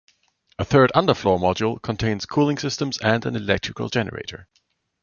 A third underfloor module contains cooling systems and an electrical generator.